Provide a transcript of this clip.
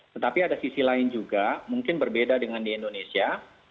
tetapi ada sisi lain juga mungkin berbeda dengan di indonesia